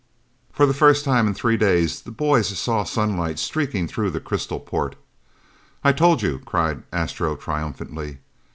For the first time in three days, the boys saw sunlight streaking through the crystal port. "I told you," cried Astro triumphantly.